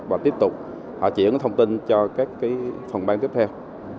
và tiếp tục họ chuyển thông tin cho các phòng ban tiếp theo